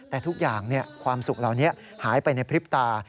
แต่ทุกอย่างความสุขเหล่านี้หายไปในพริบตา